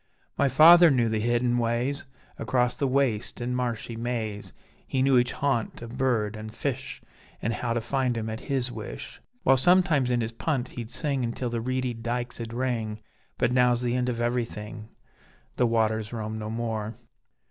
My feyther knew the hidden ways, Across the waste and marshy maze, He knew each haunt of bird an' fish, An' how to find 'em at his wish; While sometimes in his punt he'd sing Until the reedy dykes'd ring, But now's the end of everything: The waters roam no more.